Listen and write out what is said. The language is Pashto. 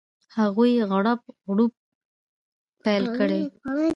هغوی غړپ غړوپ پیل کړي.